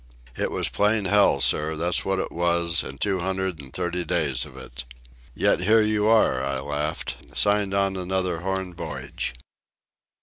It was plain hell, sir, that's what it was, an' two hundred and thirty days of it." "Yet here you are," I laughed; "signed on another Horn voyage."